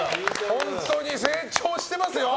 本当に成長してますよ